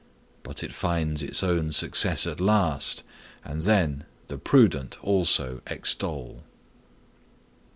But it finds its own success at last, and then the prudent also extol.